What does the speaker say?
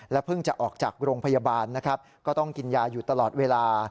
เพิ่งจะออกจากโรงพยาบาลนะครับก็ต้องกินยาอยู่ตลอดเวลา